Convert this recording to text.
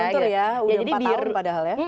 betul ya udah empat tahun padahal ya